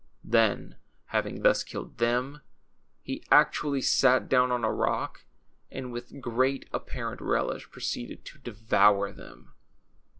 Then, having thus killed them, he actually, sat down on a rock, and with great apparent relish, proceeded to devour them.